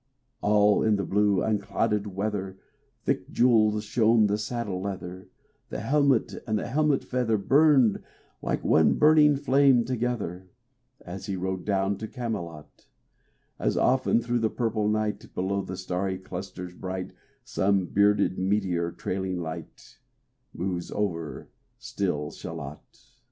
All in the blue unclouded weather Thick jeweled shone the saddle leather, The helmet and the helmet feather Burned like one burning flame together, As he rode down to Camelot; As often through the purple night, Below the starry clusters bright, Some bearded meteor, trailing light, Moves over still Shalott.